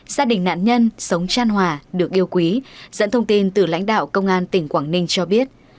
gia đình nạn nhân sống tràn hòa được yêu quý dẫn thông tin từ lãnh đạo công an tỉnh quảng ninh cho biết